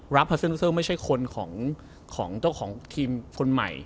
ราบคัลเซ็นท์ฮูเทิลไม่ใช่คนของเจ้าของทีมคนใหม่